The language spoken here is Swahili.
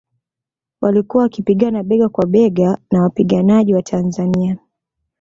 Walikuwa wakipigana bega kwa bega na wapiganaji wa Tanzania